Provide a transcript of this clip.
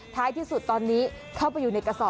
ท้ายที่สุดตอนนี้เข้าไปอยู่ในกระสอบ